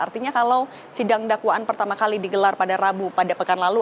artinya kalau sidang dakwaan pertama kali digelar pada rabu pada pekan lalu